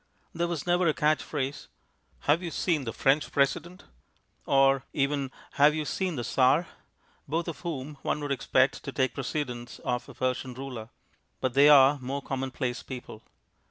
There was never a catch phrase, "Have you seen the French President?" or even "Have you seen the Tsar?" both of whom one would expect to take precedence of a Persian ruler. But they are more commonplace people.